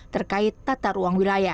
terkait tata ruang wilayah